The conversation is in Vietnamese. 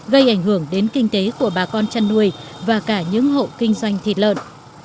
gây ảnh hưởng đến kinh tế của bà con chăn nuôi và cả những hộ kinh doanh thịt lợn